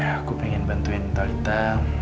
aku pengen bantuin talitha